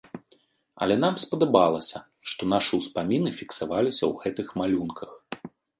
Але нам спадабалася, што нашы ўспаміны фіксаваліся ў гэтых малюнках.